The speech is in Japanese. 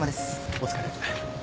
お疲れ。